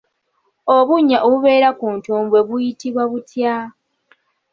Obunnya obubeera ku ntumbwe buyitibwa butya?